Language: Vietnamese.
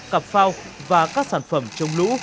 cặp phao và các sản phẩm trong lũ